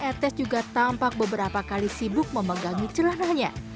etes juga tampak beberapa kali sibuk memegangi celananya